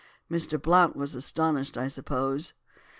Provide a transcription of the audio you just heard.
"'Mr. Blount was astonished, I suppose?